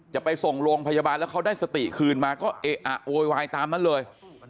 จะไปส่งโรงพยาบาลแล้วเขาได้สติคืนมาก็เอะอะโวยวายตามนั้นเลย